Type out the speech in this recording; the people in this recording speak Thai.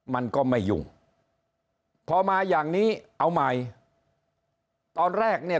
มันก็ไม่ยุ่งพอมาอย่างนี้เอาใหม่ตอนแรกเนี่ย